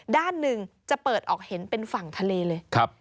ด้านหนึ่งจะเปิดออกเห็นเป็นฝั่งทะเลเลย